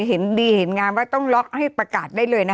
เห็นดีเห็นงามว่าต้องล็อกให้ประกาศได้เลยนะคะ